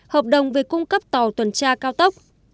hợp đồng về cung cấp tàu tuần tra cao tốc